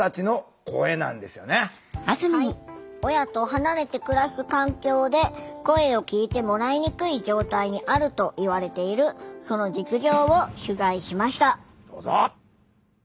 親と離れて暮らす環境で声を聴いてもらいにくい状態にあるといわれているその実情を取材しました。